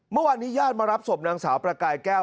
เมื่อวานนี้ญาติมารับศพนางสาวประกายแก้ว